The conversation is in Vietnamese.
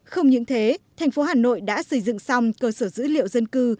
không những thế thành phố hà nội đã xây dựng xong cơ sở dữ liệu dân cư